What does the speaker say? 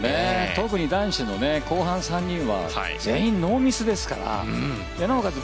特に男子の後半３人は全員、ノーミスですからなおかつ